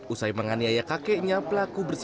usai menganiaya kakeknya pelaku bersama